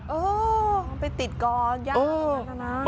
เออไปติดกรอย่างนั้นแล้วนะ